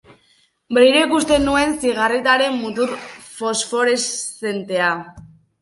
Berriro ikusten nuen zigarretaren mutur fosforeszentea.